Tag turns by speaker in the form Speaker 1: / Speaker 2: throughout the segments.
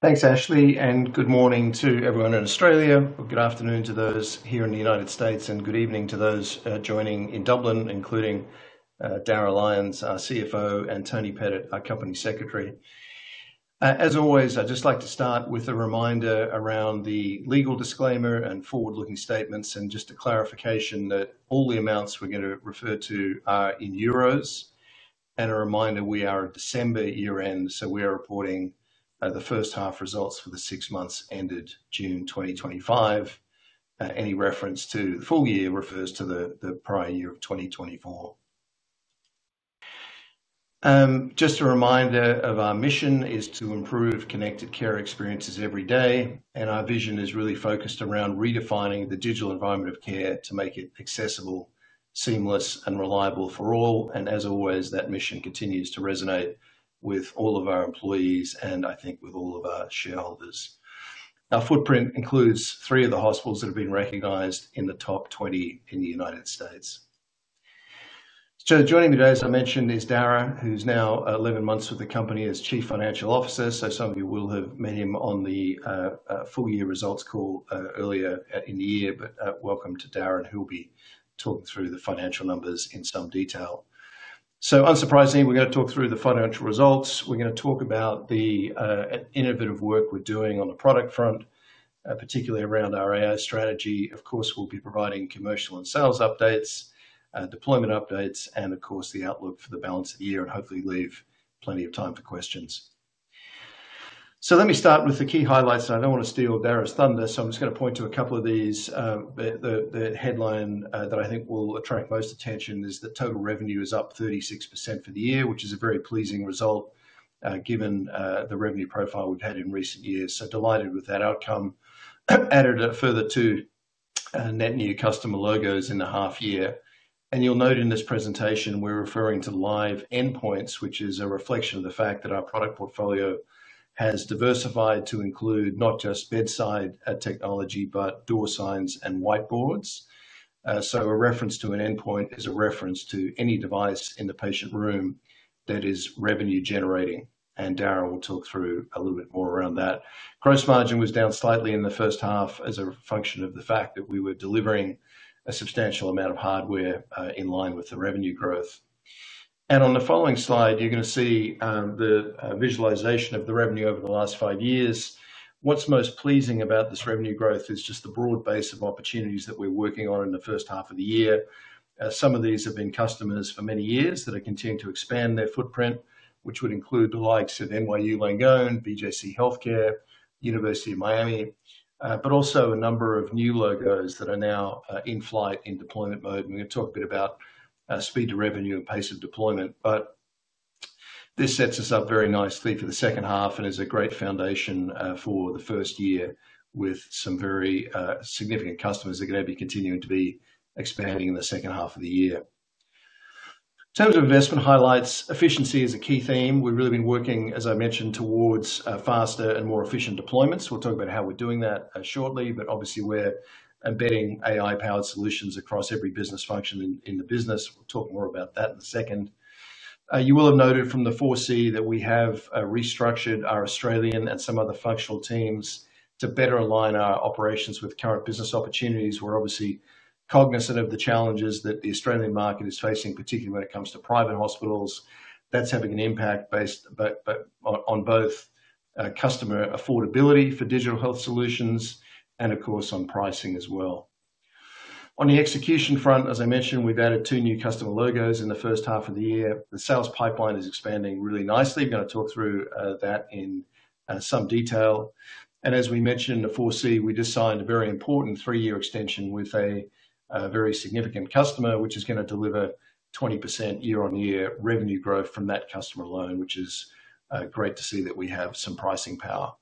Speaker 1: Thanks, Ashley, and good morning to everyone in Australia. Good afternoon to those here in the United States, and good evening to those joining in Dublin, including Darragh Lyons, our CFO, and Toni Pettit, our Company Secretary. As always, I'd just like to start with a reminder around the legal disclaimer and forward-looking statements, and just a clarification that all the amounts we're going to refer to are in euros. A reminder, we are at December year-end, so we are reporting the first half results for the six months ended June 2025. Any reference to the full year refers to the prior year of 2024. A reminder of our mission is to improve connected care experiences every day, and our vision is really focused around redefining the digital environment of care to make it accessible, seamless, and reliable for all. As always, that mission continues to resonate with all of our employees and, I think, with all of our shareholders. Our footprint includes three of the hospitals that have been recognized in the top 20 in the United States. Joining me today, as I mentioned, is Darragh, who's now 11 months with the company as Chief Financial Officer. Some of you will have met him on the full-year results call earlier in the year, but welcome to Darragh, and he'll be talking through the financial numbers in some detail. Unsurprisingly, we're going to talk through the financial results. We're going to talk about the innovative work we're doing on the product front, particularly around our AI strategy. Of course, we'll be providing commercial and sales updates, deployment updates, and the outlook for the balance of the year, and hopefully leave plenty of time for questions. Let me start with the key highlights, and I don't want to steal Darragh's thunder, so I'm just going to point to a couple of these. The headline that I think will attract most attention is that total revenue is up 36% for the year, which is a very pleasing result given the revenue profile we've had in recent years. Delighted with that outcome. Added a further two net new customer logos in a half year. You'll note in this presentation we're referring to live endpoints, which is a reflection of the fact that our product portfolio has diversified to include not just bedside technology, but door signs and digital whiteboards. A reference to an endpoint is a reference to any device in the patient room that is revenue generating. Darragh will talk through a little bit more around that. Gross margin was down slightly in the first half as a function of the fact that we were delivering a substantial amount of hardware in line with the revenue growth. On the following slide, you're going to see the visualization of the revenue over the last five years. What's most pleasing about this revenue growth is just the broad base of opportunities that we're working on in the first half of the year. Some of these have been customers for many years that are continuing to expand their footprint, which would include the likes of NYU Langone, BJC Healthcare, University of Miami, but also a number of new logos that are now in flight in deployment mode. We are going to talk a bit about speed to revenue and pace of deployment. This sets us up very nicely for the second half and is a great foundation for the first year with some very significant customers that are going to be continuing to be expanding in the second half of the year. In terms of investment highlights, efficiency is a key theme. We've really been working, as I mentioned, towards faster and more efficient deployments. We will talk about how we're doing that shortly, but obviously we're embedding AI-powered solutions across every business function in the business. We will talk more about that in a second. You will have noted from the foresee that we have restructured our Australian and some other functional teams to better align our operations with current business opportunities. We are obviously cognizant of the challenges that the Australian market is facing, particularly when it comes to private hospitals. That's having an impact based on both customer affordability for digital health solutions and, of course, on pricing as well. On the execution front, as I mentioned, we've added two new customer logos in the first half of the year. The sales pipeline is expanding really nicely. We are going to talk through that in some detail. As we mentioned, the foresee, we just signed a very important three-year extension with a very significant customer, which is going to deliver 20% year-on-year revenue growth from that customer alone, which is great to see that we have some pricing power.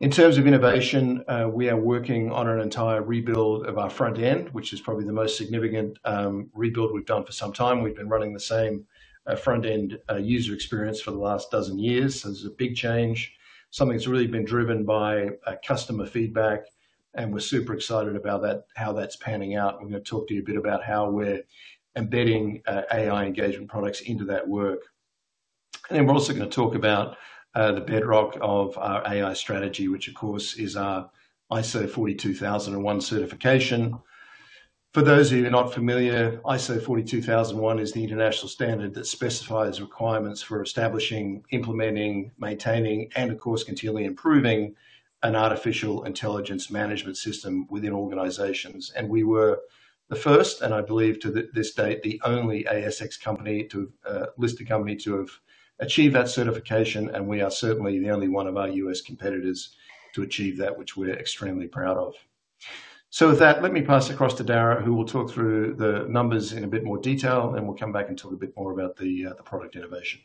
Speaker 1: In terms of innovation, we are working on an entire rebuild of our front end, which is probably the most significant rebuild we've done for some time. We've been running the same front-end user experience for the last dozen years. This is a big change. Something's really been driven by customer feedback, and we're super excited about how that's panning out. We're going to talk to you a bit about how we're embedding AI engagement products into that work. We're also going to talk about the bedrock of our AI strategy, which, of course, is our ISO 42001 certification. For those of you who are not familiar, ISO 42001 is the international standard that specifies requirements for establishing, implementing, maintaining, and, of course, continually improving an artificial intelligence management system within organizations. We were the first, and I believe to this date, the only ASX-listed company to have achieved that certification, and we are certainly the only one of our U.S., competitors to achieve that, which we're extremely proud of. With that, let me pass it across to Darragh, who will talk through the numbers in a bit more detail, and we'll come back and talk a bit more about the product innovation.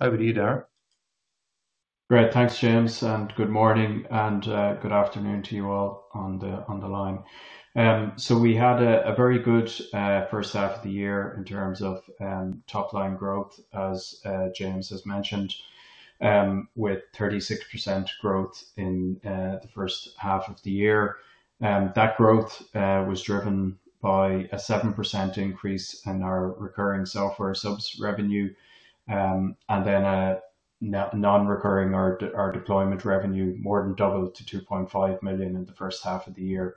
Speaker 1: Over to you, Darragh.
Speaker 2: Great, thanks, James, and good morning and good afternoon to you all on the line. We had a very good first half of the year in terms of top-line growth, as James has mentioned, with 36% growth in the first half of the year. That growth was driven by a 7% increase in our recurring software subs revenue, and then a non-recurring or deployment revenue more than doubled to €2.5 million in the first half of the year.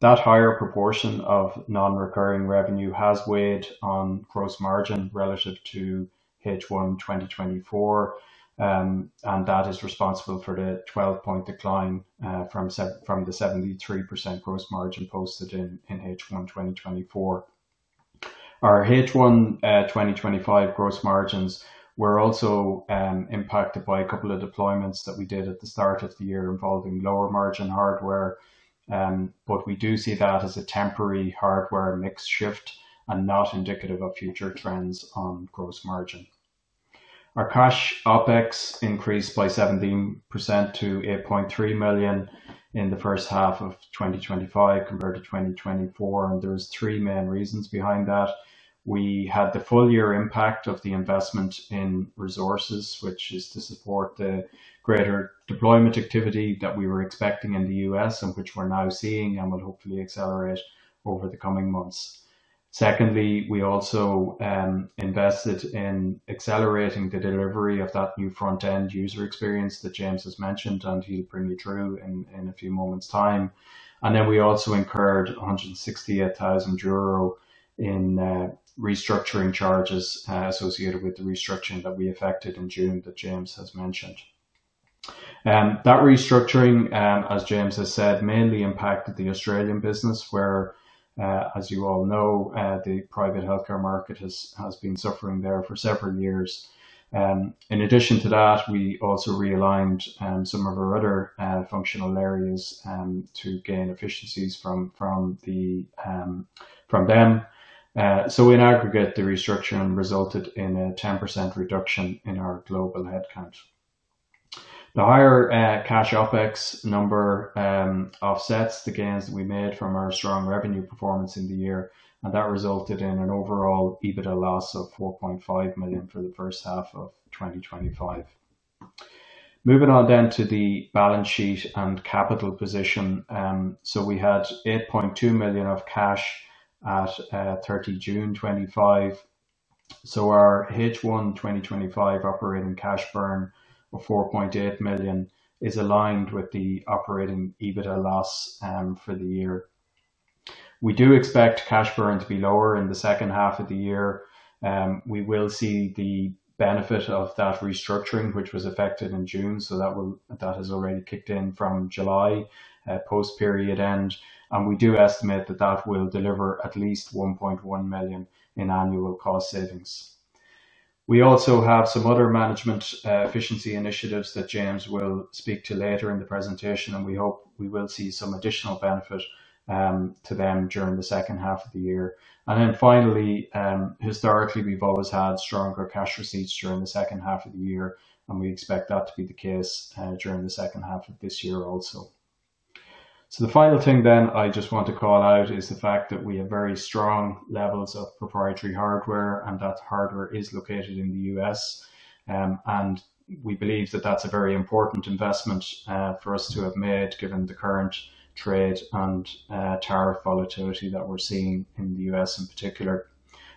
Speaker 2: That higher proportion of non-recurring revenue has weighed on gross margin relative to H1 2024, and that is responsible for the 12-point decline from the 73% gross margin posted in H1 2024. Our H1 2025 gross margins were also impacted by a couple of deployments that we did at the start of the year involving lower margin hardware, but we do see that as a temporary hardware mix shift and not indicative of future trends on gross margin. Our cash OpEx increased by 17% to €8.3 million in the first half of 2025 compared to 2024, and there are three main reasons behind that. We had the full-year impact of the investment in resources, which is to support the greater deployment activity that we were expecting in the U.S., and which we're now seeing and will hopefully accelerate over the coming months. We also invested in accelerating the delivery of that new front-end user experience that James has mentioned, and he'll bring you through in a few moments' time. We also incurred €168,000 in restructuring charges associated with the restructuring that we effected in June that James has mentioned. That restructuring, as James has said, mainly impacted the Australian business where, as you all know, the private healthcare market has been suffering there for several years. In addition to that, we also realigned some of our other functional areas to gain efficiencies from them. In aggregate, the restructuring resulted in a 10% reduction in our global headcount. The higher cash OpEx number offsets the gains that we made from our strong revenue performance in the year, and that resulted in an overall EBITDA loss of €4.5 million for the first half of 2025. Moving on to the balance sheet and capital position, we had €8.2 million of cash at 30, June 2025. Our H1 2025 operating cash burn of €4.8 million is aligned with the operating EBITDA loss for the year. We do expect cash burn to be lower in the second half of the year. We will see the benefit of that restructuring, which was effected in June, so that has already kicked in from July post-period end. We do estimate that will deliver at least $1.1 million in annual cost savings. We also have some other management efficiency initiatives that James will speak to later in the presentation, and we hope we will see some additional benefit to them during the second half of the year. Finally, historically, we've always had stronger cash receipts during the second half of the year, and we expect that to be the case during the second half of this year also. The final thing I just want to call out is the fact that we have very strong levels of proprietary hardware, and that hardware is located in the U.S. We believe that that's a very important investment for us to have made given the current trade and tariff volatility that we're seeing in the U.S., in particular.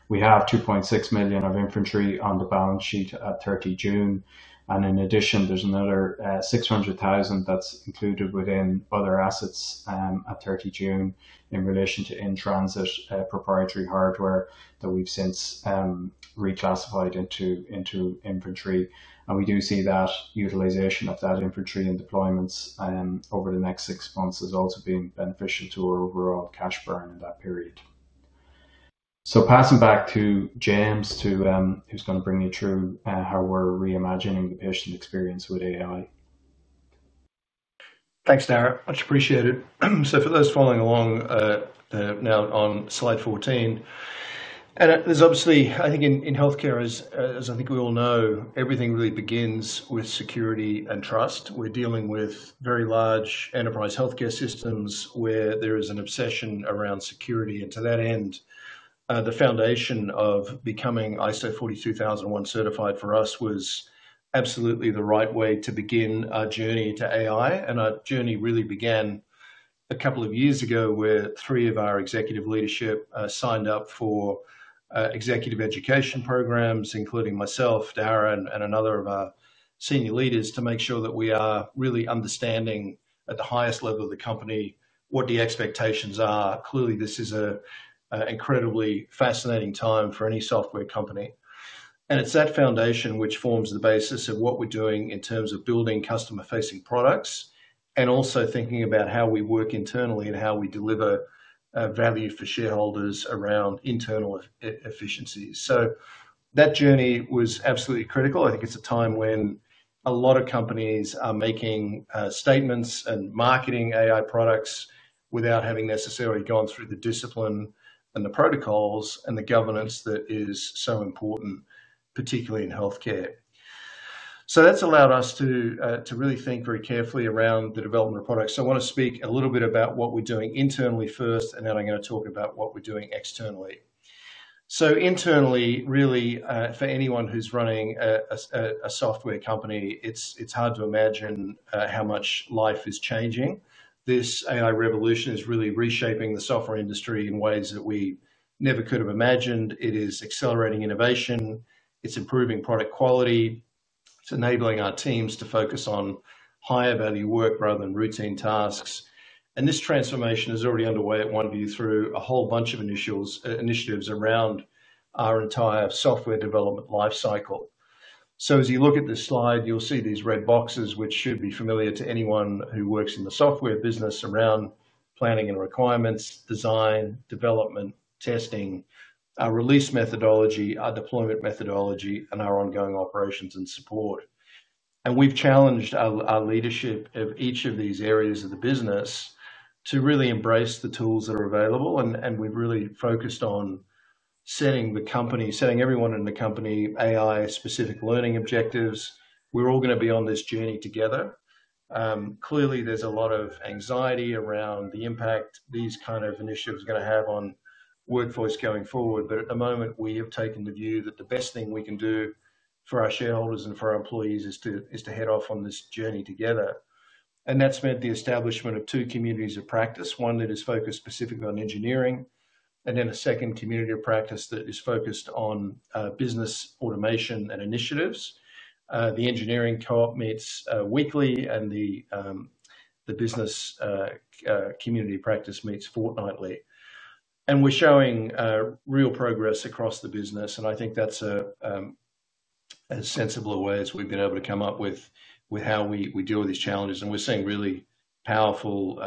Speaker 2: We have $2.6 million of inventory on the balance sheet at 30 June. In addition, there's another $600,000 that's included within other assets at 30 June in relation to in-transit proprietary hardware that we've since reclassified into inventory. We do see that utilization of that inventory and deployments over the next six months has also been beneficial to our overall cash burn in that period. Passing back to James, who's going to bring you through how we're reimagining the patient experience with AI.
Speaker 1: Thanks, Darragh. Much appreciated. For those following along, now on slide 14, there's obviously, I think in healthcare, as I think we all know, everything really begins with security and trust. We're dealing with very large enterprise healthcare systems where there is an obsession around security. To that end, the foundation of becoming ISO 42001 certified for us was absolutely the right way to begin our journey to AI. Our journey really began a couple of years ago where three of our executive leadership signed up for executive education programs, including myself, Darragh, and another of our senior leaders, to make sure that we are really understanding at the highest level of the company what the expectations are. Clearly, this is an incredibly fascinating time for any software company. It's that foundation which forms the basis of what we're doing in terms of building customer-facing products and also thinking about how we work internally and how we deliver value for shareholders around internal efficiency. That journey was absolutely critical. I think it's a time when a lot of companies are making statements and marketing AI products without having necessarily gone through the discipline and the protocols and the governance that is so important, particularly in healthcare. That's allowed us to really think very carefully around the development of products. I want to speak a little bit about what we're doing internally first, and then I'm going to talk about what we're doing externally. Internally, really, for anyone who's running a software company, it's hard to imagine how much life is changing. This AI revolution is really reshaping the software industry in ways that we never could have imagined. It is accelerating innovation. It's improving product quality. It's enabling our teams to focus on higher value work rather than routine tasks. This transformation is already underway at Oneview through a whole bunch of initiatives around our entire software development lifecycle. As you look at this slide, you'll see these red boxes, which should be familiar to anyone who works in the software business around planning and requirements, design, development, testing, our release methodology, our deployment methodology, and our ongoing operations and support. We've challenged our leadership of each of these areas of the business to really embrace the tools that are available. We have really focused on setting the company, setting everyone in the company AI-specific learning objectives. We're all going to be on this journey together. Clearly, there's a lot of anxiety around the impact these kind of initiatives are going to have on Oneview Healthcare going forward. At the moment, we have taken the view that the best thing we can do for our shareholders and for our employees is to head off on this journey together. That has meant the establishment of two communities of practice. One is focused specifically on engineering, and a second community of practice is focused on business automation and initiatives. The engineering talk meets weekly, and the business community of practice meets fortnightly. We're showing real progress across the business. I think that's a sensible way as we've been able to come up with how we deal with these challenges. We're seeing really powerful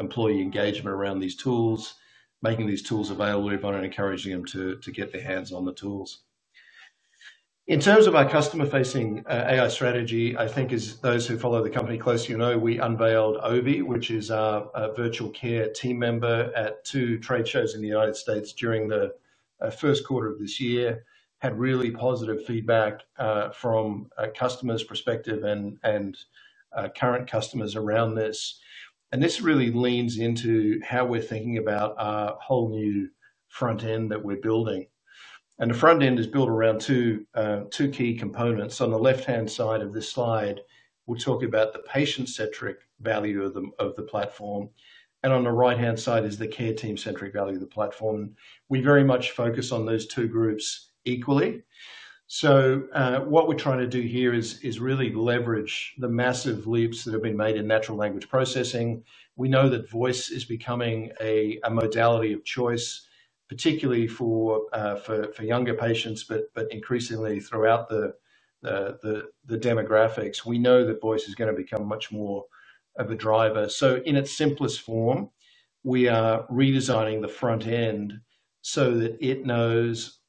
Speaker 1: employee engagement around these tools, making these tools available, if not encouraging them to get their hands on the tools. In terms of our customer-facing AI strategy, I think as those who follow the company closely, you know we unveiled Ovie, which is our virtual care team member, at two trade shows in the United States during the first quarter of this year. We had really positive feedback from customers' perspective and current customers around this. This really leans into how we're thinking about our whole new front end that we're building. The front end is built around two key components. On the left-hand side of this slide, we're talking about the patient-centric value of the platform. On the right-hand side is the care team-centric value of the platform. We very much focus on those two groups equally. What we're trying to do here is really leverage the massive leaps that have been made in natural language processing. We know that voice is becoming a modality of choice, particularly for younger patients, but increasingly throughout the demographics. We know that voice is going to become much more of a driver. In its simplest form, we are redesigning the front end so that it knows,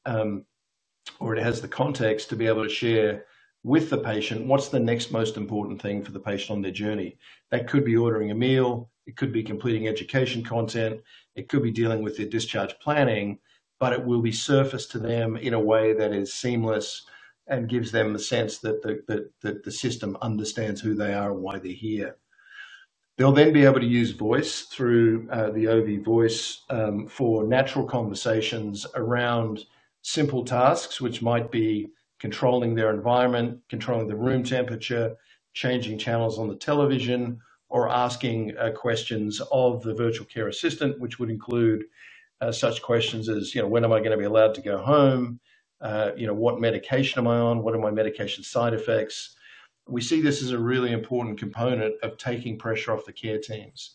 Speaker 1: or it has the context to be able to share with the patient what's the next most important thing for the patient on their journey. That could be ordering a meal, it could be completing education content, it could be dealing with their discharge planning, but it will be surfaced to them in a way that is seamless and gives them the sense that the system understands who they are and why they're here. They'll then be able to use voice through the Ovie voice for natural conversations around simple tasks, which might be controlling their environment, controlling the room temperature, changing channels on the television, or asking questions of the virtual care assistant, which would include such questions as, you know, when am I going to be allowed to go home? You know, what medication am I on? What are my medication side effects? We see this as a really important component of taking pressure off the care teams.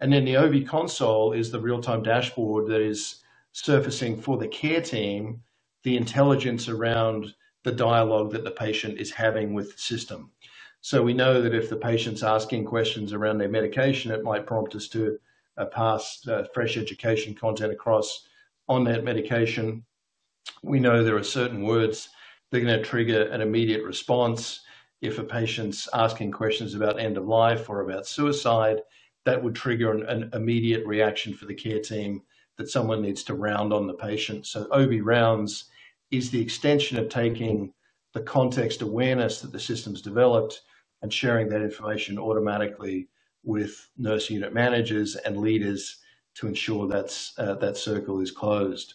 Speaker 1: The Ovie console is the real-time dashboard that is surfacing for the care team the intelligence around the dialogue that the patient is having with the system. We know that if the patient's asking questions around their medication, it might prompt us to pass fresh education content across on that medication. We know there are certain words that are going to trigger an immediate response. If a patient's asking questions about end of life or about suicide, that would trigger an immediate reaction for the care team that someone needs to round on the patient. Ovie rounds is the extension of taking the context awareness that the system's developed and sharing that information automatically with nurse unit managers and leaders to ensure that circle is closed.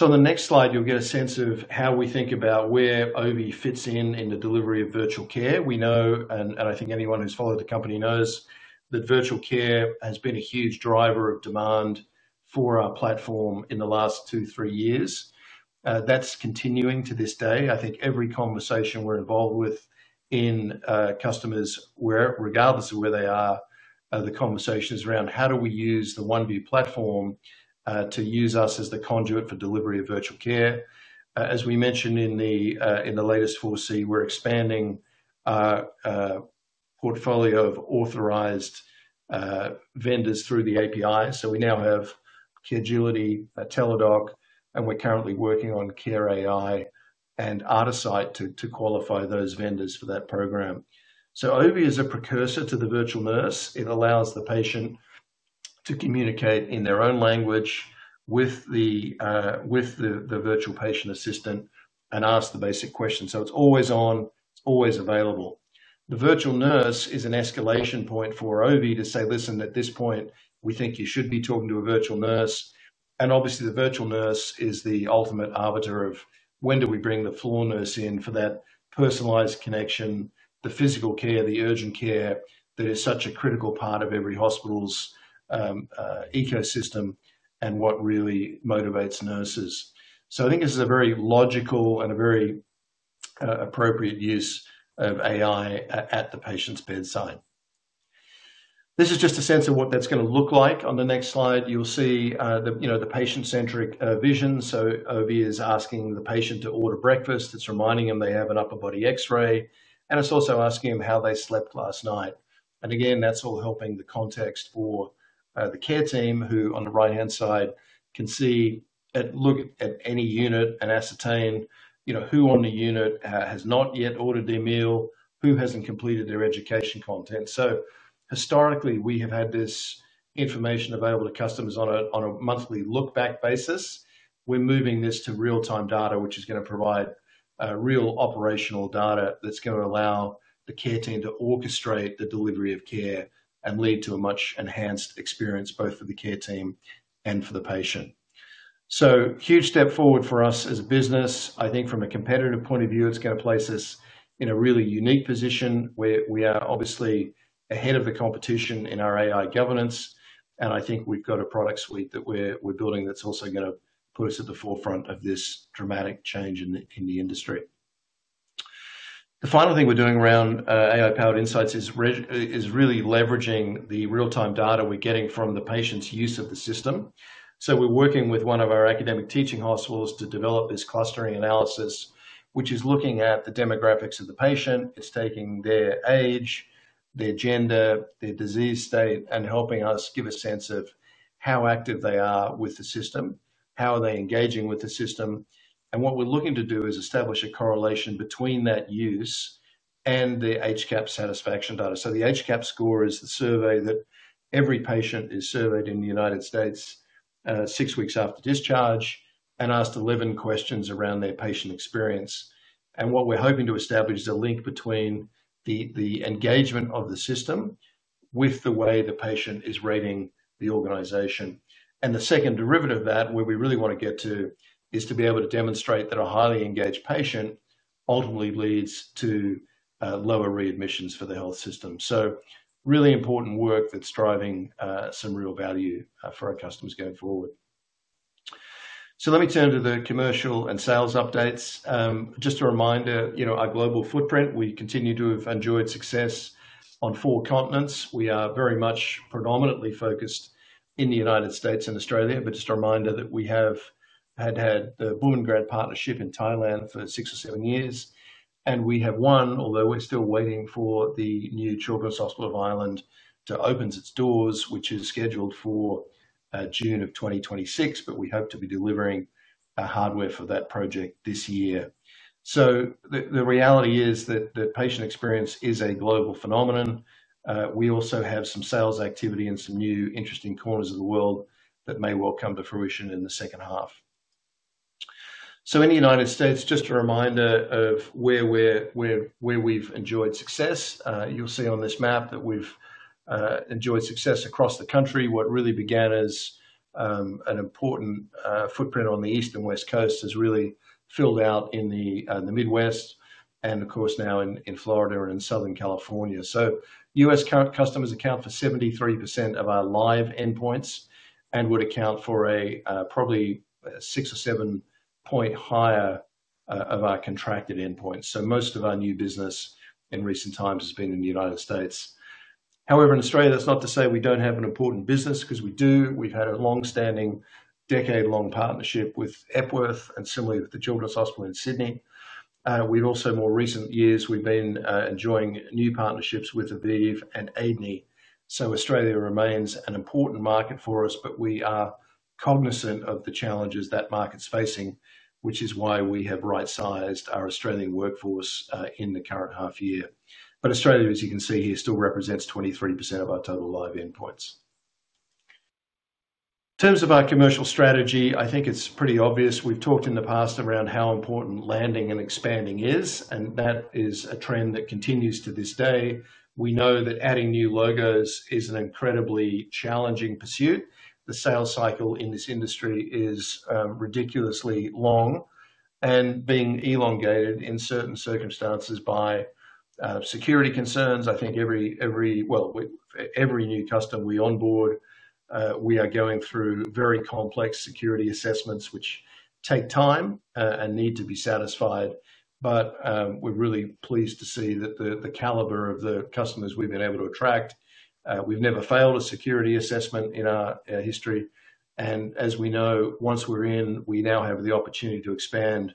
Speaker 1: On the next slide, you'll get a sense of how we think about where Ovie fits in in the delivery of virtual care. We know, and I think anyone who's followed the company knows, that virtual care has been a huge driver of demand for our platform in the last two, three years. That's continuing to this day. I think every conversation we're involved with in customers, regardless of where they are, the conversation is around how do we use the Oneview platform to use us as the conduit for delivery of virtual care. As we mentioned in the latest foresee, we're expanding our portfolio of authorized vendors through the API. We now have Caregility and Teladoc, and we're currently working on Care.ai and Artiste to qualify those vendors for that program. Ovie is a precursor to the virtual nurse. It allows the patient to communicate in their own language with the virtual patient assistant and ask the basic questions. It is always on, always available. The virtual nurse is an escalation point for Ovie to say, "Listen, at this point, we think you should be talking to a virtual nurse." Obviously, the virtual nurse is the ultimate arbiter of when we bring the floor nurse in for that personalized connection, the physical care, the urgent care that is such a critical part of every hospital's ecosystem and what really motivates nurses. I think this is a very logical and a very appropriate use of AI at the patient's bedside. This is just a sense of what that is going to look like. On the next slide, you will see the patient-centric vision. Ovie is asking the patient to order breakfast, reminding them they have an upper body X-ray, and also asking them how they slept last night. Again, that is all helping the context for the care team, who on the right-hand side can see and look at any unit and ascertain who on the unit has not yet ordered their meal, who has not completed their education content. Historically, we have had this information available to customers on a monthly look-back basis. We are moving this to real-time data, which is going to provide real operational data that is going to allow the care team to orchestrate the delivery of care and lead to a much enhanced experience both for the care team and for the patient. This is a huge step forward for us as a business. I think from a competitive point of view, it is going to place us in a really unique position where we are obviously ahead of the competition in our AI governance. I think we have got a product suite that we are building that is also going to put us at the forefront of this dramatic change in the industry. The final thing we are doing around AI-powered insights is really leveraging the real-time data we are getting from the patient's use of the system. We are working with one of our academic teaching hospitals to develop this clustering analysis, which is looking at the demographics of the patient. It is taking their age, their gender, their disease state, and helping us give a sense of how active they are with the system, how they are engaging with the system. What we are looking to do is establish a correlation between that use and the HCAP satisfaction data. The HCAP score is the survey that every patient is surveyed in the United States. six weeks after discharge and asked 11 questions around their patient experience. What we're hoping to establish is a link between the engagement of the system with the way the patient is rating the organization. The second derivative of that, where we really want to get to, is to be able to demonstrate that a highly engaged patient ultimately leads to lower readmissions for the health system. Really important work that's driving some real value for our customers going forward. Let me turn to the commercial and sales updates. Just a reminder, our global footprint, we continue to have enjoyed success on four continents. We are very much predominantly focused in the United States and Australia, but just a reminder that we have had the Bumrungrad partnership in Thailand for six or seven years. We have won, although we're still waiting for the new Children's Hospital of Ireland to open its doors, which is scheduled for June of 2026, but we hope to be delivering hardware for that project this year. The reality is that patient experience is a global phenomenon. We also have some sales activity and some new interesting corners of the world that may well come to fruition in the second half. In the United States, just a reminder of where we've enjoyed success. You'll see on this map that we've enjoyed success across the country. What really began as an important footprint on the East and West Coast has really filled out in the Midwest and, of course, now in Florida and in Southern California. U.S., customers account for 73% of our live endpoints and would account for a probably six or seven point higher of our contracted endpoints. Most of our new business in recent times has been in the United States. However, in Australia, that's not to say we don't have an important business because we do. We've had a longstanding, decade-long partnership with Epworth and similarly with the Children's Hospital in Sydney. In more recent years, we've been enjoying new partnerships with Aviv and Aidney. Australia remains an important market for us, but we are cognizant of the challenges that market's facing, which is why we have right-sized our Australian workforce in the current half year. Australia, as you can see here, still represents 23% of our total live endpoints. In terms of our commercial strategy, I think it's pretty obvious. We've talked in the past around how important landing and expanding is, and that is a trend that continues to this day. We know that adding new logos is an incredibly challenging pursuit. The sales cycle in this industry is ridiculously long and being elongated in certain circumstances by security concerns. I think every, every new customer we onboard, we are going through very complex security assessments, which take time and need to be satisfied. We're really pleased to see the caliber of the customers we've been able to attract. We've never failed a security assessment in our history. As we know, once we're in, we now have the opportunity to expand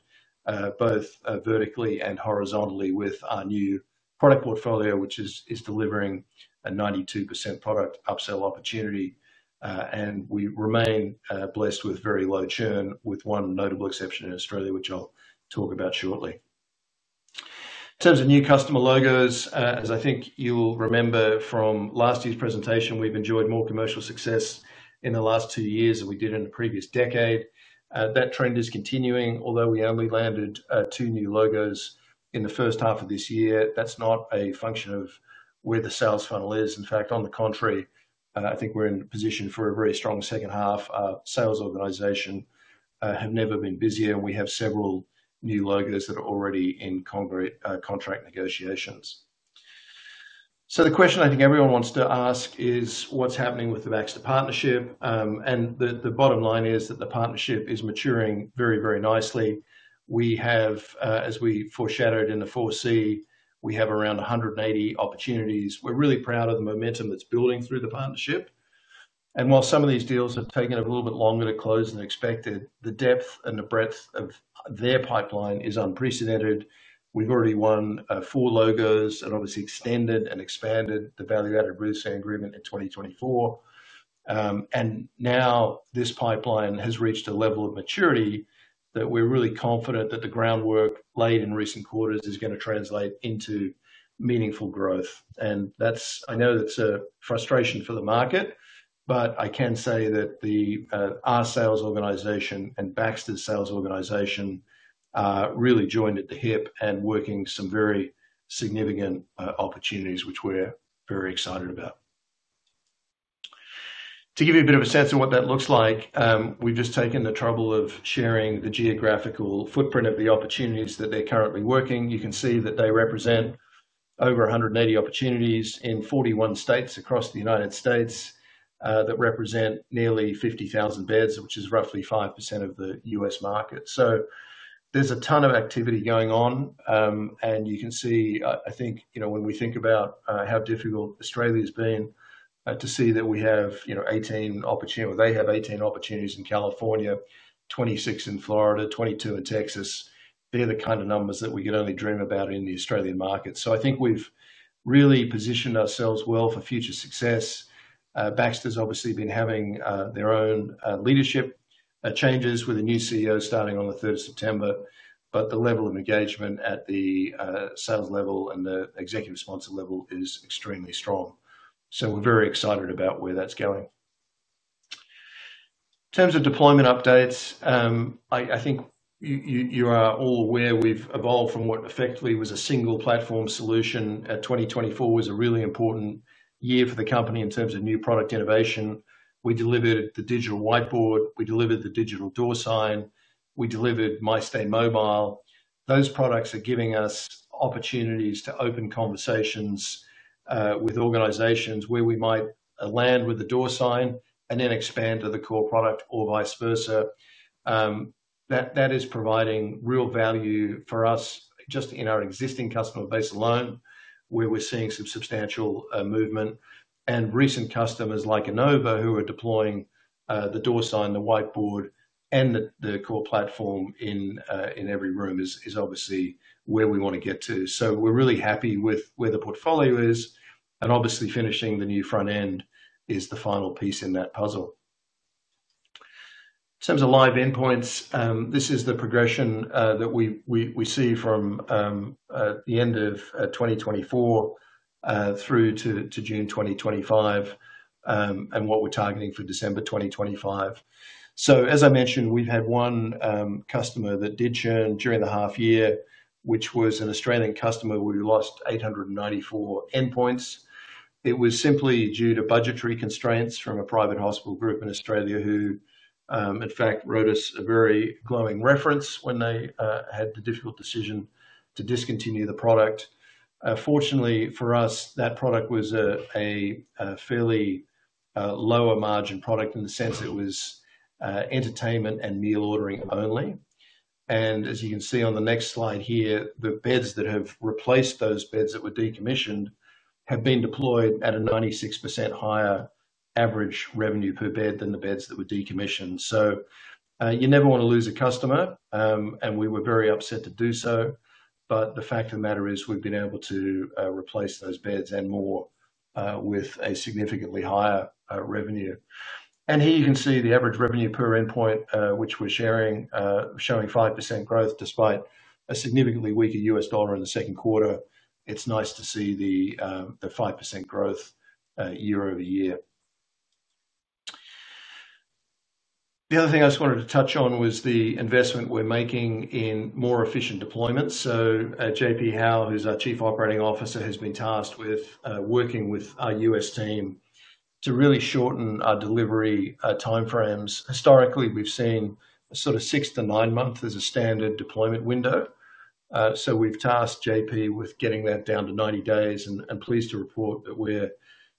Speaker 1: both vertically and horizontally with our new product portfolio, which is delivering a 92% product upsell opportunity. We remain blessed with very low churn, with one notable exception in Australia, which I'll talk about shortly. In terms of new customer logos, as I think you'll remember from last year's presentation, we've enjoyed more commercial success in the last two years than we did in the previous decade. That trend is continuing, although we only landed two new logos in the first half of this year. That's not a function of where the sales funnel is. In fact, on the contrary, I think we're in a position for a very strong second half. Our sales organization has never been busier, and we have several new logos that are already in contract negotiations. The question I think everyone wants to ask is what's happening with the Baxter partnership. The bottom line is that the partnership is maturing very, very nicely. As we foreshadowed in the foresee, we have around 180 opportunities. We're really proud of the momentum that's building through the partnership. While some of these deals have taken a little bit longer to close than expected, the depth and the breadth of their pipeline is unprecedented. We've already won four logos and obviously extended and expanded the value-added reseller agreement in 2024. Now this pipeline has reached a level of maturity that we're really confident that the groundwork laid in recent quarters is going to translate into meaningful growth. I know that's a frustration for the market, but I can say that our sales organization and Baxter sales organization are really joined at the hip and working some very significant opportunities, which we're very excited about. To give you a bit of a sense of what that looks like, we've just taken the trouble of sharing the geographical footprint of the opportunities that they're currently working. You can see that they represent over 180 opportunities in 41 states across the United States that represent nearly 50,000 beds, which is roughly 5% of the U.S., market. There's a ton of activity going on. You can see, I think, when we think about how difficult Australia's been to see that we have 18 opportunities, or they have 18 opportunities in California, 26 in Florida, 22 in Texas, they're the kind of numbers that we could only dream about in the Australian market. I think we've really positioned ourselves well for future success. Baxter is obviously been having their own leadership changes with a new CEO starting on the 3rd of September, but the level of engagement at the sales level and the executive sponsor level is extremely strong. We're very excited about where that's going. In terms of deployment updates, I think you are all aware we've evolved from what effectively was a single platform solution. 2024 was a really important year for the company in terms of new product innovation. We delivered the digital whiteboard, we delivered the digital door sign, we delivered MyStay Mobile. Those products are giving us opportunities to open conversations with organizations where we might land with the door sign and then expand to the core product or vice versa. That is providing real value for us just in our existing customer base alone, where we're seeing some substantial movement. Recent customers like Inova, who are deploying the door sign, the whiteboard, and the core platform in every room, is obviously where we want to get to. We're really happy with where the portfolio is, and obviously finishing the new front end is the final piece in that puzzle. In terms of live endpoints, this is the progression that we see from the end of 2024-June 2025 and what we're targeting for December 2025. As I mentioned, we've had one customer that did churn during the half year, which was an Australian customer who lost 894 endpoints. It was simply due to budgetary constraints from a private hospital group in Australia who, in fact, wrote us a very glowing reference when they had the difficult decision to discontinue the product. Fortunately for us, that product was a fairly lower margin product in the sense that it was entertainment and meal ordering only. As you can see on the next slide here, the beds that have replaced those beds that were decommissioned have been deployed at a 96% higher average revenue per bed than the beds that were decommissioned. You never want to lose a customer, and we were very upset to do so. The fact of the matter is we've been able to replace those beds and more with a significantly higher revenue. Here you can see the average revenue per endpoint, which we're sharing, showing 5% growth despite a significantly weaker U.S. dollar in the second quarter. It's nice to see the 5% growth year-over-year. The other thing I just wanted to touch on was the investment we're making in more efficient deployments. JP Howe, who's our Chief Operating Officer, has been tasked with working with our U.S., team to really shorten our delivery timeframes. Historically, we've seen a sort of six months to nine months as a standard deployment window. We've tasked JP with getting that down to 90 days and are pleased to report that we're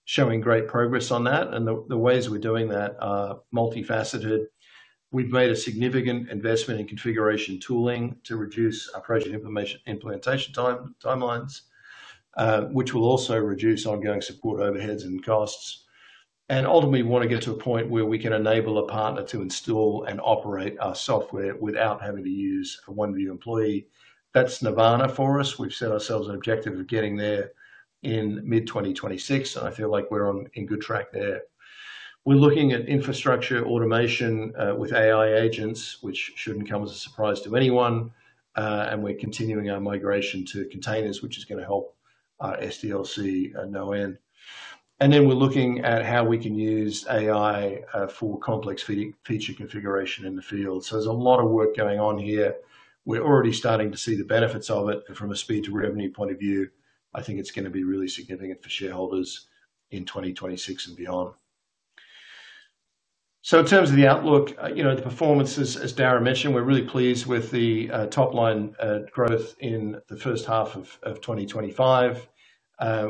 Speaker 1: showing great progress on that. The ways we're doing that are multifaceted. We've made a significant investment in configuration tooling to reduce our project implementation timelines, which will also reduce ongoing support overheads and costs. Ultimately, we want to get to a point where we can enable a partner to install and operate our software without having to use a Oneview employee. That's Nirvana for us. We've set ourselves an objective of getting there in mid-2026, and I feel like we're on a good track there. We're looking at infrastructure automation with AI agents, which shouldn't come as a surprise to anyone. We're continuing our migration to containers, which is going to help our SDLC at no end. We're looking at how we can use AI for complex feature configuration in the field. There's a lot of work going on here. We're already starting to see the benefits of it. From a speed to revenue point of view, I think it's going to be really significant for shareholders in 2026 and beyond. In terms of the outlook, the performances, as Darragh mentioned, we're really pleased with the top-line growth in the first half of 2025.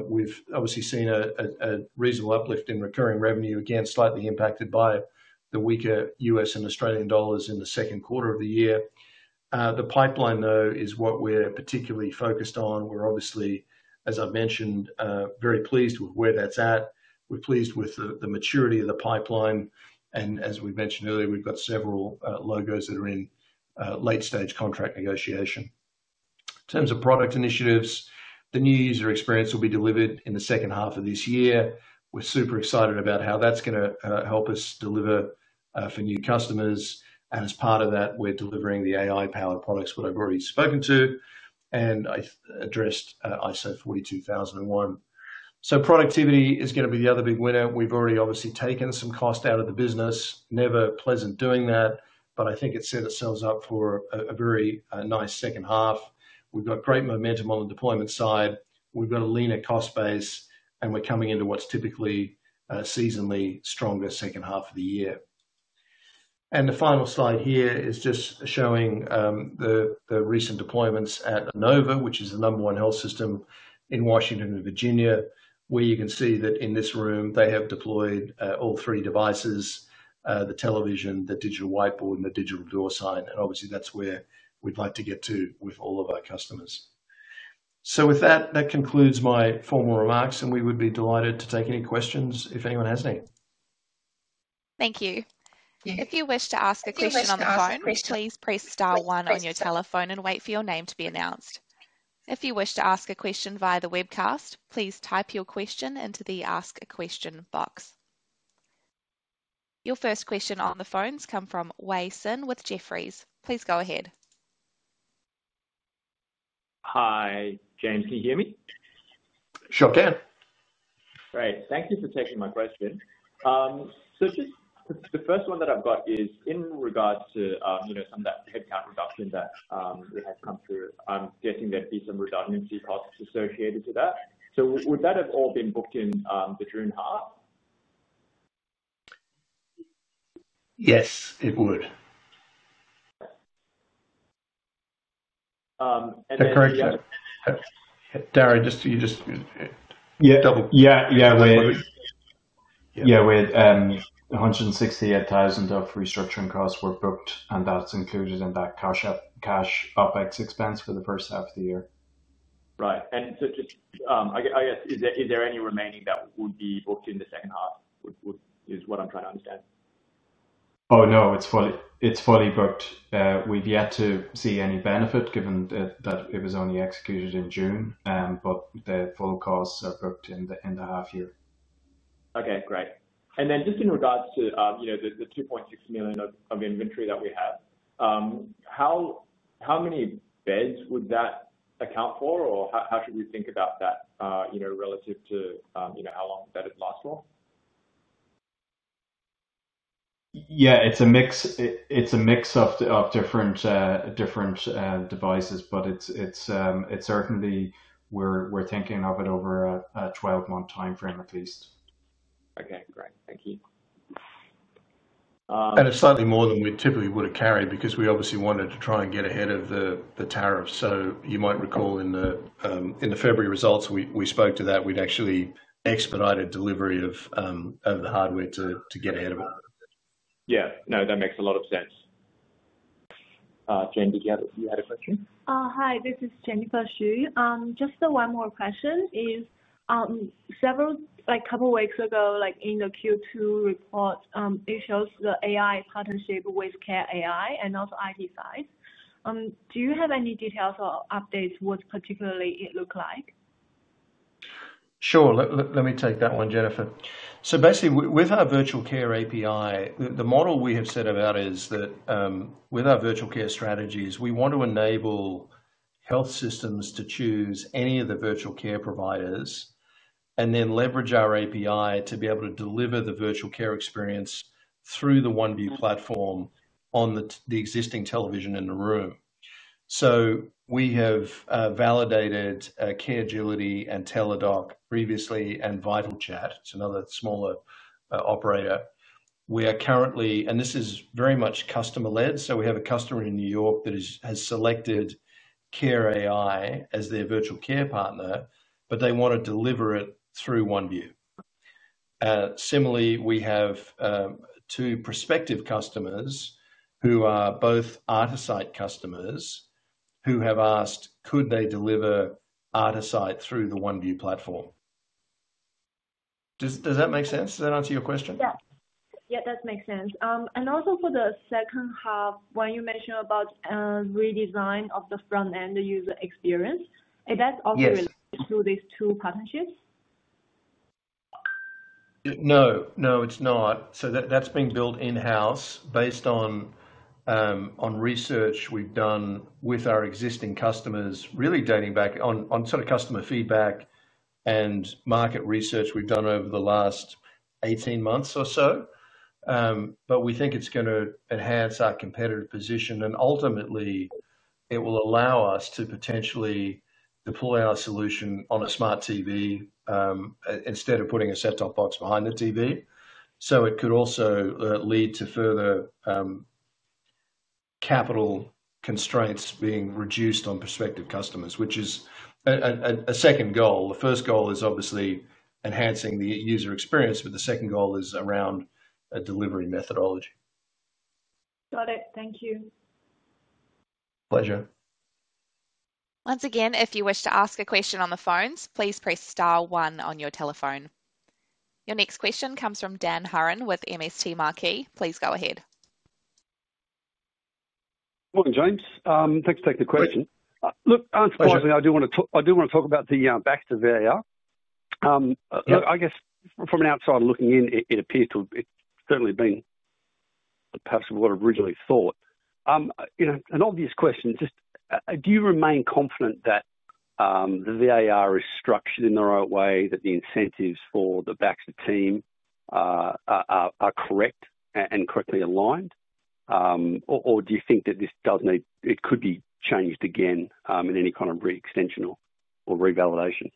Speaker 1: We've obviously seen a reasonable uplift in recurring revenue, again slightly impacted by the weaker U.S. and Australian dollars in the second quarter of the year. The pipeline, though, is what we're particularly focused on. We're obviously, as I've mentioned, very pleased with where that's at. We're pleased with the maturity of the pipeline. As we mentioned earlier, we've got several logos that are in late-stage contract negotiation. In terms of product initiatives, the new user experience will be delivered in the second half of this year. We're super excited about how that's going to help us deliver for new customers. As part of that, we're delivering the AI-powered products, what I've already spoken to and I addressed ISO 42001. Productivity is going to be the other big winner. We've already obviously taken some cost out of the business. Never pleasant doing that, but I think it set itself up for a very nice second half. We've got great momentum on the deployment side. We've got a leaner cost base, and we're coming into what's typically a seasonally stronger second half of the year. The final slide here is just showing the recent deployments at Inova Health, which is the number one health system in Washington and Virginia, where you can see that in this room, they have deployed all three devices: the television, the digital whiteboard, and the digital door sign. Obviously, that's where we'd like to get to with all of our customers. With that, that concludes my formal remarks, and we would be delighted to take any questions if anyone has any.
Speaker 3: Thank you. If you wish to ask a question on the phone, please press Star, one on your telephone and wait for your name to be announced. If you wish to ask a question via the webcast, please type your question into the Ask a Question box. Your first question on the phone has come from Wei Sim with Jefferies. Please go ahead.
Speaker 4: Hi, James. Can you hear me?
Speaker 1: Sure can.
Speaker 4: Great. Thank you for taking my question. The first one that I've got is in regards to some of that headcount reduction that we had come through. I'm guessing there'd be some redundancy costs associated to that. Would that have all been booked in the June half?
Speaker 1: Yes, it would.
Speaker 4: Darragh, you just...
Speaker 2: Yeah, 168,000 restructuring costs were booked, and that's included in that cash OpEx expense for the first half of the year.
Speaker 4: Right. Is there any remaining that would be booked in the second half? Is what I'm trying to understand.
Speaker 2: Oh, no, it's fully booked. We've yet to see any benefit given that it was only executed in June, but the full costs are booked in the end of the half year.
Speaker 4: Okay, great. Just in regards to the $2.6 million of inventory that we have, how many beds would that account for, or how should we think about that relative to how long it lasts for?
Speaker 2: Yeah, it's a mix of different devices, but certainly we're thinking of it over a 12-month timeframe at least.
Speaker 4: Okay, great. Thank you.
Speaker 1: It is slightly more than we typically would have carried because we obviously wanted to try and get ahead of the tariff. You might recall in the February results, we spoke to that. We'd actually expedited delivery of the hardware to get ahead of it.
Speaker 4: Yeah, no, that makes a lot of sense. Jen, did you have a question?
Speaker 5: Hi, this is Jennifer Xu. Just one more question. A couple of weeks ago, in the Q2 report, it shows the AI partnership with Care.ai and also ID5. Do you have any details or updates what particularly it looks like?
Speaker 1: Sure, let me take that one, Jennifer. Basically, with our virtual care API, the model we have set about is that, with our virtual care strategies, we want to enable health systems to choose any of the virtual care providers and then leverage our API to be able to deliver the virtual care experience through the Oneview platform on the existing television in the room. We have validated Caregility and Teladoc previously and VitalChat. It's another smaller operator. This is very much customer-led. We have a customer in New York that has selected Care.ai as their virtual care partner, but they want to deliver it through Oneview. Similarly, we have two prospective customers who are both Artiste customers who have asked, could they deliver Artiste through the Oneview platform? Does that make sense? Does that answer your question?
Speaker 5: Yeah, it does make sense. Also, for the second half, when you mentioned about a redesign of the front-end user experience, is that also related to these two partnerships?
Speaker 1: No, no, it's not. That's been built in-house based on research we've done with our existing customers, really dating back on customer feedback and market research we've done over the last 18 months or so. We think it's going to enhance our competitive position, and ultimately, it will allow us to potentially deploy our solution on a smart TV instead of putting a set-top box behind the TV. It could also lead to further capital constraints being reduced on prospective customers, which is a second goal. The first goal is obviously enhancing the user experience, and the second goal is around a delivery methodology.
Speaker 5: Got it. Thank you.
Speaker 1: Pleasure.
Speaker 3: Once again, if you wish to ask a question on the phones, please press star one on your telephone. Your next question comes from Dan Herron with MST Marquee. Please go ahead.
Speaker 6: Morning, James. Thanks for taking the question. I'll answer the question. I do want to talk about the Baxter VAR. I guess from an outside looking in, it appears to have certainly been perhaps what I originally thought. An obvious question is just, do you remain confident that the VAR is structured in the right way, that the incentives for the Baxter team are correct and correctly aligned? Or do you think that this does need, it could be changed again in any kind of re-extension or re-validation?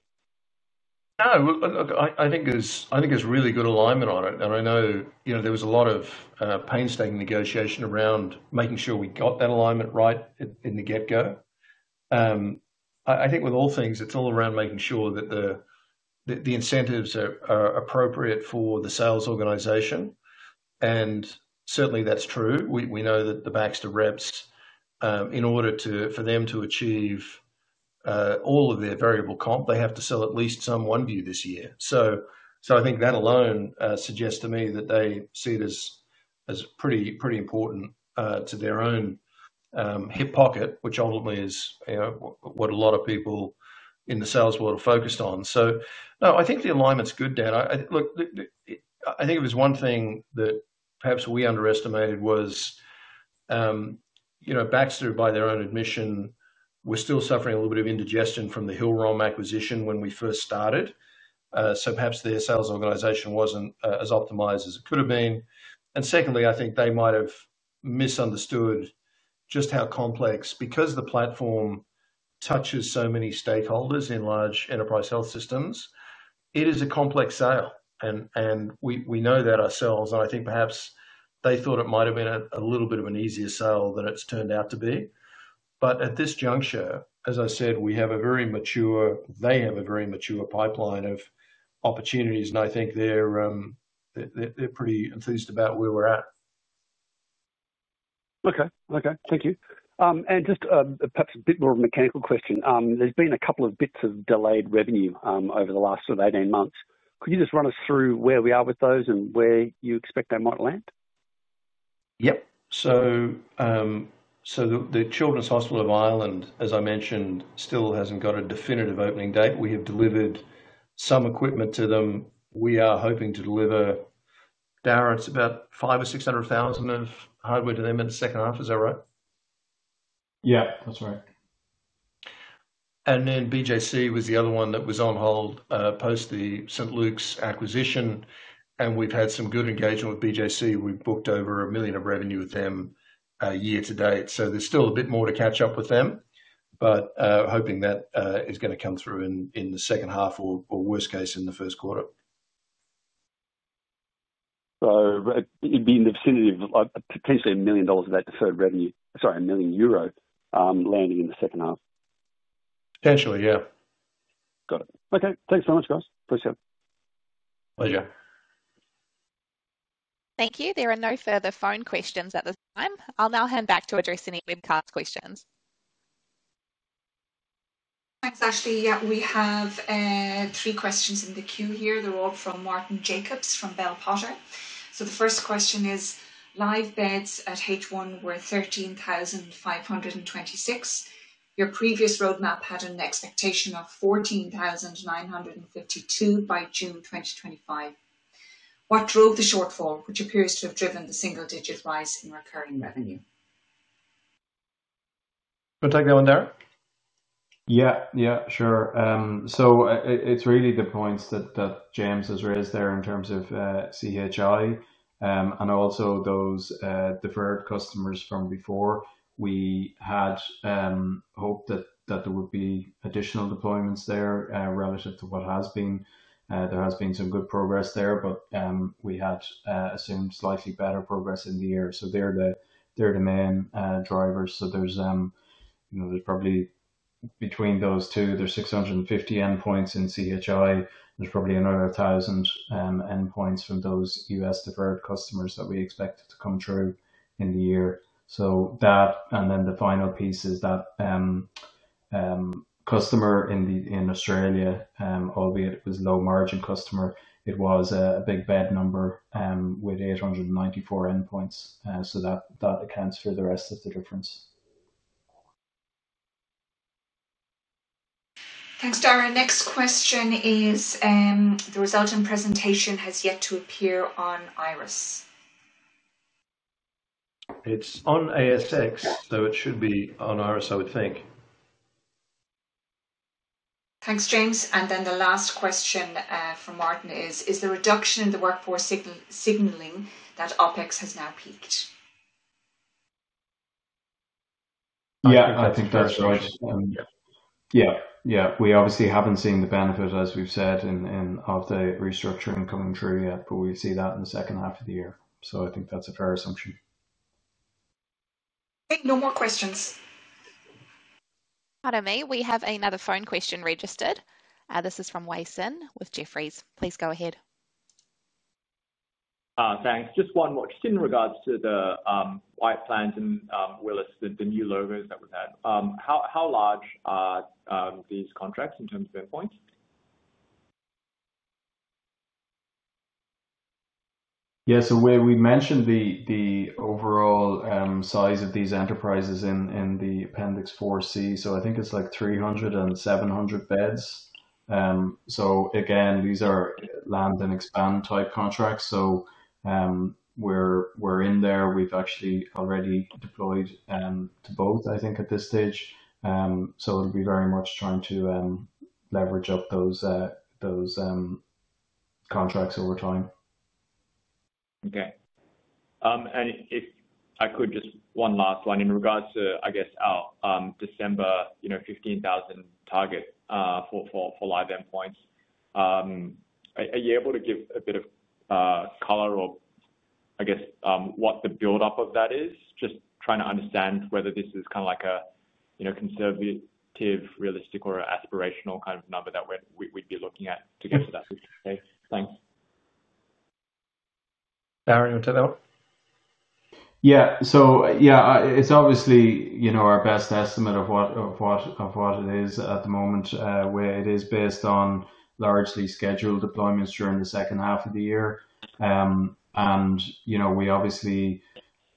Speaker 1: No, I think there's really good alignment on it. I know there was a lot of painstaking negotiation around making sure we got that alignment right in the get-go. I think with all things, it's all around making sure that the incentives are appropriate for the sales organization, and certainly, that's true. We know that the Baxter reps, in order for them to achieve all of their variable comp, they have to sell at least some Oneview this year. I think that alone suggests to me that they see it as pretty important to their own hip pocket, which ultimately is what a lot of people in the sales world are focused on. No, I think the alignment's good, Dan. I think if there's one thing that perhaps we underestimated was, Baxter, by their own admission, was still suffering a little bit of indigestion from the Hillrom acquisition when we first started. Perhaps their sales organization wasn't as optimized as it could have been. Secondly, I think they might have misunderstood just how complex, because the platform touches so many stakeholders in large enterprise health systems, it is a complex sale. We know that ourselves. I think perhaps they thought it might have been a little bit of an easier sale than it's turned out to be. At this juncture, as I said, we have a very mature, they have a very mature pipeline of opportunities. I think they're pretty enthused about where we're at.
Speaker 6: Okay, thank you. Perhaps a bit more of a mechanical question. There's been a couple of bits of delayed revenue over the last sort of 18 months. Could you just run us through where we are with those and where you expect they might land?
Speaker 1: Yep. The Children's Hospital of Ireland, as I mentioned, still hasn't got a definitive opening date. We have delivered some equipment to them. We are hoping to deliver, Darragh, it's about $500,000 or $600,000 of hardware to them in the second half. Is that right?
Speaker 2: Yeah, that's right.
Speaker 1: BJC was the other one that was on hold post the St. Luke's acquisition. We've had some good engagement with BJC. We've booked over $1 million of revenue with them year to date. There's still a bit more to catch up with them, hoping that is going to come through in the second half or worst case in the first quarter.
Speaker 6: It'd be in the vicinity of potentially €1 million of that deferred revenue, sorry, €1 million landing in the second half.
Speaker 1: Potentially, yeah.
Speaker 6: Got it. Okay, thanks very much, guys. Appreciate it.
Speaker 1: Pleasure.
Speaker 3: Thank you. There are no further phone questions at this time. I'll now hand back to address any webcast questions.
Speaker 7: Thanks, Ashley. We have three questions in the queue here. They're all from Martin Jacobs from Bell Potter. The first question is, live beds at H1 were 13,526. Your previous roadmap had an expectation of 14,952 by June 2025. What drove the shortfall, which appears to have driven the single-digit rise in recurring revenue?
Speaker 1: We'll take that one, Darragh.
Speaker 2: Yeah, sure. It's really the points that James has raised there in terms of CHI and also those deferred customers from before. We had hoped that there would be additional deployments there relative to what has been. There has been some good progress there, but we had assumed slightly better progress in the year. They're the main drivers. There's probably between those two, there's 650 endpoints in CHI. There's probably another 1,000 endpoints from those U.S., deferred customers that we expected to come through in the year. That, and then the final piece is that customer in Australia, albeit it was a low-margin customer, it was a big bed number with 894 endpoints. That accounts for the rest of the difference.
Speaker 7: Thanks, Darragh. Next question is, the resultant presentation has yet to appear on IRIS.
Speaker 1: It's on ASX, so it should be on IRIS, I would think.
Speaker 7: Thanks, James. The last question from Martin is, is the reduction in the workforce signaling that OpEx has now peaked?
Speaker 2: I think that's right. We obviously haven't seen the benefit, as we've said, of the restructuring coming through yet, but we see that in the second half of the year. I think that's a fair assumption.
Speaker 7: No more questions.
Speaker 3: Pardon me..We have another phone question registered. This is from Wei Sim with Jefferies. Please go ahead.
Speaker 4: Thanks. Just one more, just in regards to the white plans and the new logos that we've had. How large are these contracts in terms of endpoint?
Speaker 2: Yeah, we mentioned the overall size of these enterprises in the Appendix 4C. I think it's like 300 and 700 beds. These are land and expand type contracts. We're in there. We've actually already deployed to both, I think, at this stage. It'll be very much trying to leverage up those contracts over time.
Speaker 4: Okay. If I could just, one last one in regards to, I guess, our December, you know, 15,000 target for live endpoints. Are you able to give a bit of color or, I guess, what the buildup of that is? Just trying to understand whether this is kind of like a, you know, conservative, realistic, or aspirational kind of number that we'd be looking at to get to that.
Speaker 2: Yeah, it's obviously our best estimate of what it is at the moment, where it is based on largely scheduled deployments during the second half of the year. We obviously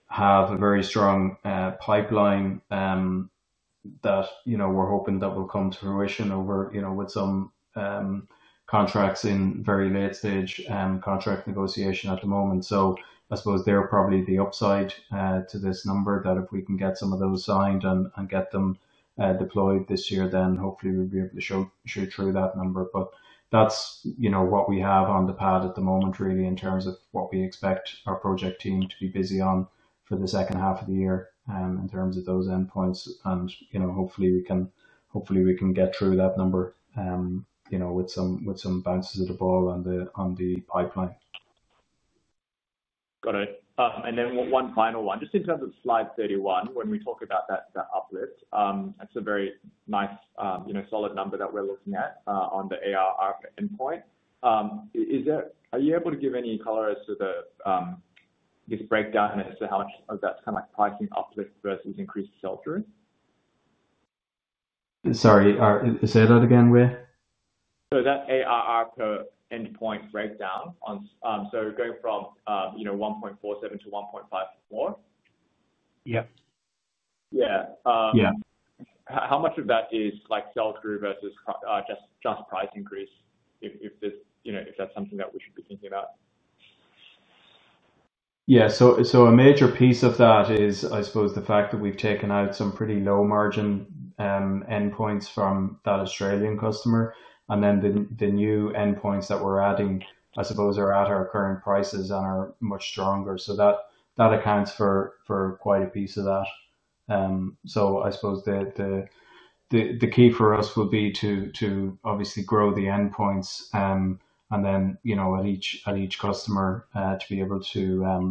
Speaker 2: have a very strong pipeline that we're hoping will come to fruition, with some contracts in very mid-stage contract negotiation at the moment. I suppose there's probably the upside to this number that if we can get some of those signed and get them deployed this year, then hopefully we'll be able to show through that number. That's what we have on the pad at the moment, really, in terms of what we expect our project team to be busy on for the second half of the year in terms of those endpoints. Hopefully we can get through that number with some bounces of the ball on the pipeline.
Speaker 4: Got it. One final one, just in terms of slide 31, when we talk about that uplift, it's a very nice, solid number that we're looking at on the ARR endpoint. Are you able to give any color as to the breakdown and as to how much of that's kind of like pricing uplift versus increased sell-through?
Speaker 2: Sorry, say that again, where?
Speaker 4: That ARR per endpoint breakdown, going from $1.47-$1.54.
Speaker 2: Yep.
Speaker 4: Yeah.
Speaker 2: Yeah.
Speaker 4: How much of that is like sell-through versus just price increase if that's something that we should be thinking about?
Speaker 2: A major piece of that is the fact that we've taken out some pretty low-margin endpoints from that Australian customer. The new endpoints that we're adding are at our current prices and are much stronger. That accounts for quite a piece of that. The key for us will be to obviously grow the endpoints and then, at each customer, to be able to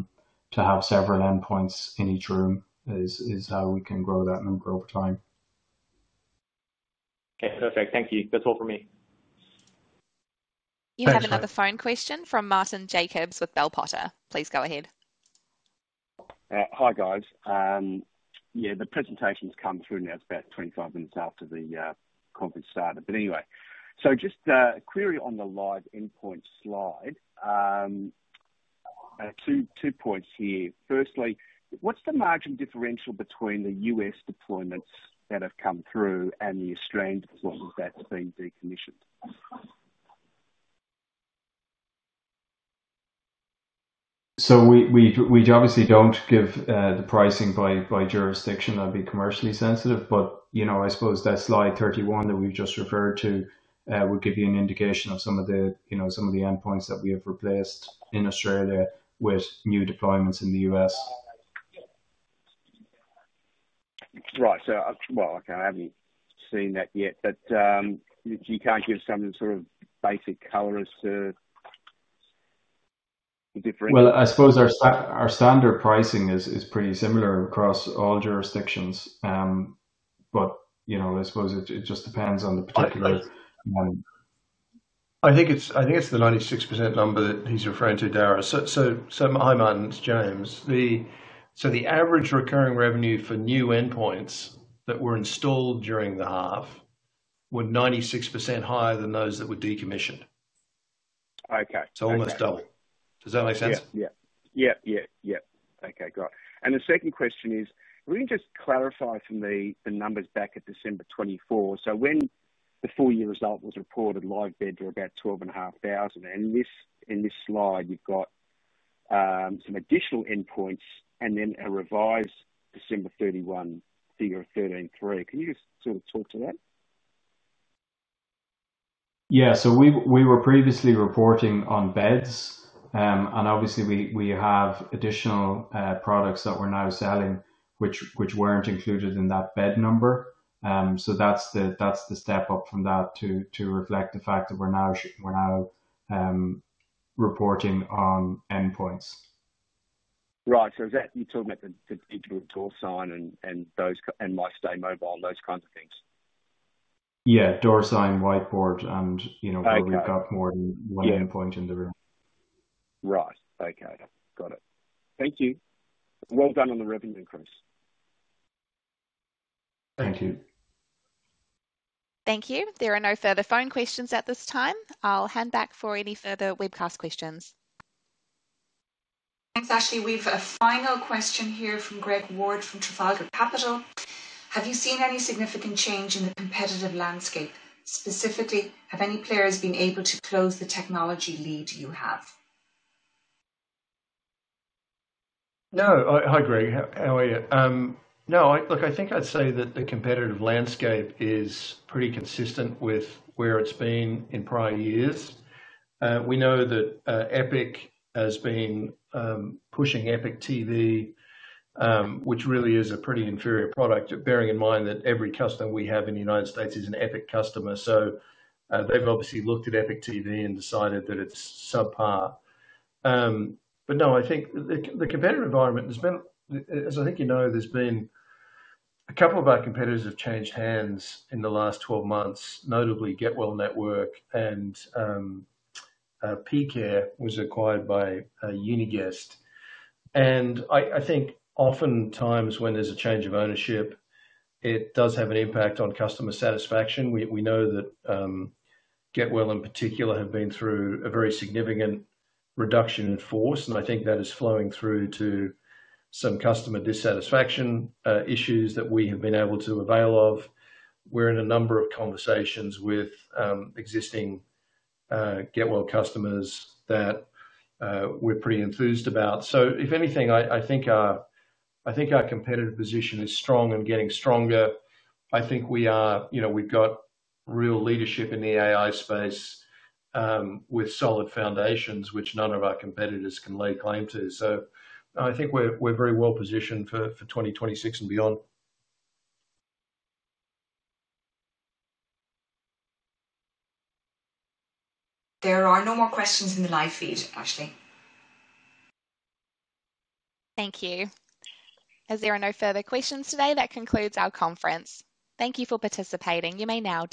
Speaker 2: have several endpoints in each room is how we can grow that and then grow over time.
Speaker 4: Okay, perfect. Thank you. That's all for me.
Speaker 3: You have another phone question from Martyn Jacobs with Bell Potter. Please go ahead.
Speaker 8: Hi, guys. Yeah, the presentation's come through now. It's about 25 minutes after the conference started. Anyway, just a query on the live endpoint slide. Two points here. Firstly, what's the margin differential between the U.S., deployments that have come through and the Australian deployments that have been decommissioned?
Speaker 2: We obviously don't give the pricing by jurisdiction. That'd be commercially sensitive. I suppose that slide 31 that we've just referred to would give you an indication of some of the endpoints that we have replaced in Australia with new deployments in the U.S.
Speaker 8: Right. I can't have you seen that yet, but you can't give some sort of basic color as to the difference?
Speaker 2: Our standard pricing is pretty similar across all jurisdictions. It just depends on the particular.
Speaker 1: I think it's the 96% number that he's referring to, Darragh. To my mind, as James, the average recurring revenue for new endpoints that were installed during the half were 96% higher than those that were decommissioned.
Speaker 8: Okay.
Speaker 1: Almost double. Does that make sense?
Speaker 8: Okay, got it. The second question is, will you just clarify for me the numbers back at December 2024? When the full year result was reported, live beds were about 12,500. In this slide, you've got some additional endpoints and then a revised December 31 figure of 13,300. Can you just sort of talk to that?
Speaker 2: Yeah, we were previously reporting on beds. Obviously, we have additional products that we're now selling, which weren't included in that bed number. That's the step up from that to reflect the fact that we're now reporting on endpoints.
Speaker 8: Right. Is that you're talking about the digital door signs and MyStay Mobile, those kinds of things?
Speaker 2: Yeah, door sign, whiteboard, and you know we've got more than one endpoint in the room.
Speaker 8: Right. Okay, got it. Thank you. Well done on the revenue increase.
Speaker 2: Thank you.
Speaker 3: Thank you. There are no further phone questions at this time. I'll hand back for any further webcast questions.
Speaker 7: Thanks, Ashley. We've got a final question here from Greg Ward from Trafalgar Capital. Have you seen any significant change in the competitive landscape? Specifically, have any players been able to close the technology lead you have?
Speaker 1: Hi Greg, how are you? I think I'd say that the competitive landscape is pretty consistent with where it's been in prior years. We know that Epic has been pushing Epic TV, which really is a pretty inferior product, bearing in mind that every customer we have in the United States is an Epic customer. They've obviously looked at Epic TV and decided that it's subpar. I think the competitive environment has been, as you know, there's been a couple of our competitors that have changed hands in the last 12 months, notably GetWell Network and pCare was acquired by Uniguest. I think oftentimes when there's a change of ownership, it does have an impact on customer satisfaction. We know that GetWell in particular have been through a very significant reduction in force, and I think that is flowing through to some customer dissatisfaction issues that we have been able to avail of. We're in a number of conversations with existing GetWell customers that we're pretty enthused about. If anything, I think our competitive position is strong and getting stronger. I think we are, you know, we've got real leadership in the AI space with solid foundations, which none of our competitors can lay claim to. I think we're very well positioned for 2026 and beyond.
Speaker 7: There are no more questions in the live feed, Ashley.
Speaker 3: Thank you. As there are no further questions today, that concludes our conference. Thank you for participating. You may now.